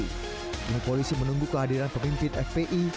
kini polisi menunggu kehadiran pemimpin fpi